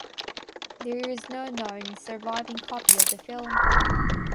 There is no known surviving copy of the film.